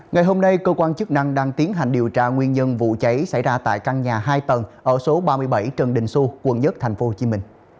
ngày hôm nay cơ quan chức năng đang tiến hành điều tra nguyên nhân vụ cháy xảy ra tại căn nhà hai tầng ở số ba mươi bảy trần đình xu quận một tp hcm